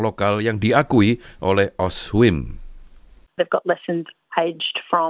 maka anda bisa menanggung